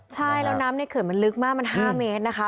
ใช่แล้วน้ำในเขื่อนมันลึกมากมัน๕เมตรนะคะ